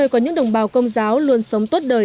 có những đồng bào công giáo luôn sống tốt đời